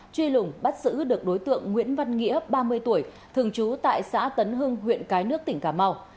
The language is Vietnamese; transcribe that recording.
truy lùng bắt giữ được đối tượng nguyễn văn nghĩa ba mươi tuổi thường trú tại xã tấn hưng huyện cái nước tỉnh cà mau